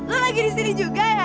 oh rupanya juga kan